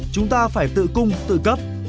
chúng ta phải tự cung tự cấp